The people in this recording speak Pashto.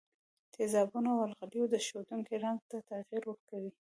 د تیزابونو او القلیو ښودونکي رنګ ته تغیر ورکوي.